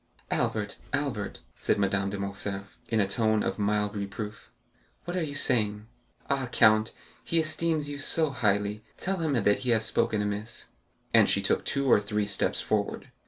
"Albert, Albert," said Madame de Morcerf, in a tone of mild reproof, "what are you saying? Ah, count, he esteems you so highly, tell him that he has spoken amiss." And she took two or three steps forward.